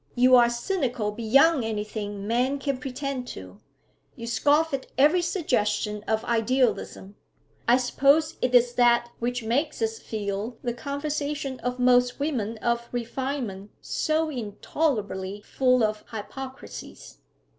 You are cynical beyond anything men can pretend to; you scoff at every suggestion of idealism. I suppose it is that which makes us feel the conversation of most women of refinement so intolerably full of hypocrisies.